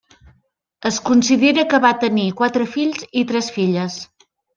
Es considera que va tenir quatre fills i tres filles.